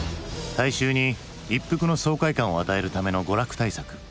大衆に一服の爽快感を与えるための娯楽大作。